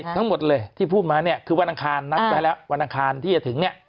ทั้งหมดเลยที่พูดมาเนี่ยคือวันอังคารนัดไว้แล้ววันอังคารที่จะถึงเนี่ย